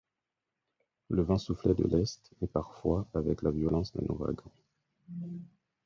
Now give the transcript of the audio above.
Le vent soufflait de l’est, et parfois avec la violence d’un ouragan